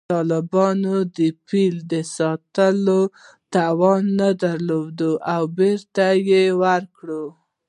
طالبانو د فیل د ساتلو توان نه درلود او بېرته یې ورکړ